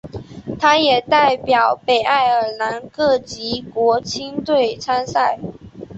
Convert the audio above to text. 他也代表北爱尔兰各级国青队参赛。